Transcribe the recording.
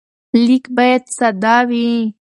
لیک باید ساده وي.